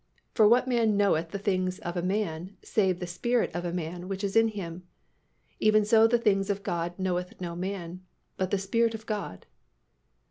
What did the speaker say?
For what man knoweth the things of a man, save the spirit of man which is in him? even so the things of God knoweth no man, but the Spirit of God."